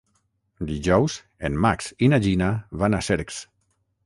Dijous en Max i na Gina van a Cercs.